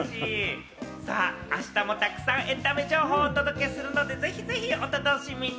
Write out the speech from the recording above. あしたもたくさんエンタメ情報をお届けするので、ぜひぜひお楽しみに！